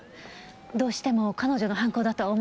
どうしても彼女の犯行だとは思えなくて。